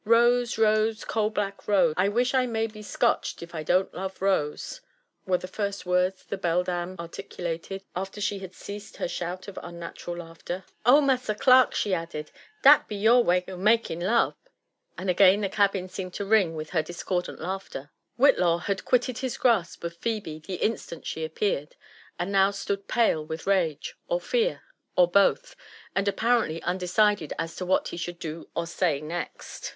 ^< Rose, Rose, coal black Rose ! I wish I may be scotched iri don't love Rose ! were the first words the beldam articulated after she had ceased her JONATHAN mPVmSOS WHITLAW. ' 81 diOQt of unnatural laughter. '' Oh, massa clerk V she added, '' dat be your way making lub 1" and again (he cabin seemed to ring with her discordant laughter. Whitlaw had quitted his grasp of Phebe the instant she appeared, and now stood pale with rage, or fear, or both, and apparently unde cided as to what he should do or say next.